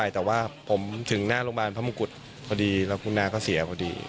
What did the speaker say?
แต่ว่าผมถึงหน้าโรงพยาบาลพระมงกุฎพอดีแล้วคุณน้าก็เสียพอดี